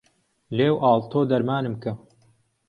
لێو ئاڵ تۆ دەرمانم کە